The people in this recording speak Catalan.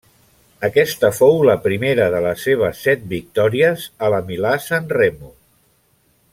Aquesta fou la primera de les seves set victòries a la Milà-Sanremo.